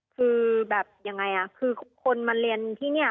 คือแบบยังไงคือคนมาเรียนที่นี่